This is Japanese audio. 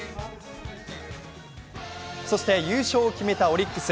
そして優勝を決めたオリックス。